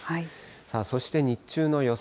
さあ、そして日中の予想